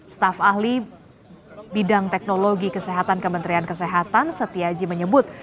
staf ahli bidang teknologi kesehatan kementerian kesehatan setiaji menyebut